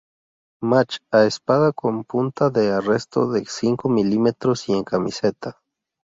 Match a espada con punta de arresto de cinco milímetros y en camiseta.